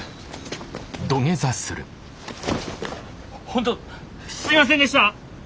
本当すいませんでした！